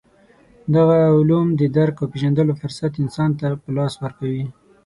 دغه علوم د درک او پېژندلو فرصت انسان ته په لاس ورکوي.